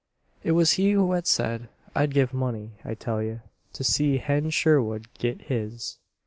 It was he who had said: "I'd give money, I tell ye, to see Hen Sherwood git his."